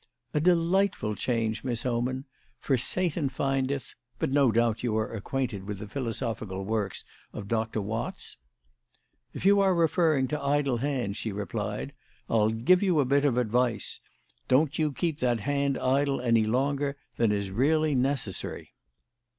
"A delightful change, Miss Oman. 'For Satan findeth' but no doubt you are acquainted with the philosophical works of Doctor Watts?" "If you are referring to 'idle hands,'" she replied, "I'll give you a bit of advice, Don't you keep that hand idle any longer than is really necessary.